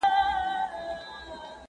پداسي حال کي چي دا د تأسف ځای دی، چي هيواد